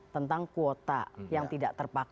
tentang kuota yang tidak terpakai